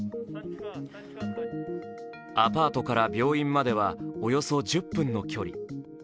アパートから病院までは、およそ１０分の距離。